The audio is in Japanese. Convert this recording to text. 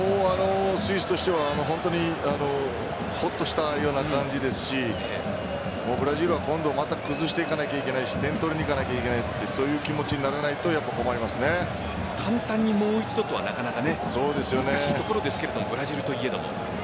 スイスとしては本当にほっとしたような感じですしブラジルは今度また崩していかなきゃいけないし点取りにいかなければいけないしそういう気持ちにならないと簡単にはもう一度とはなかなか難しいところですがブラジルといえども。